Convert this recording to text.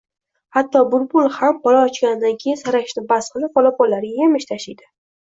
Hatto bulbul ham bola ochganidan keyin sayrashni bas qilib, polaponlariga yemish tashiydi.